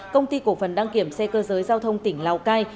công ty cổ phần đăng kiểm xe cơ giới giao thông tỉnh lào cai